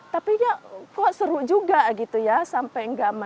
tapi ya kok seru juga gitu ya sampai nggak makan